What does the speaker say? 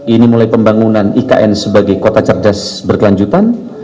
ini mulai pembangunan ikn sebagai kota cerdas berkelanjutan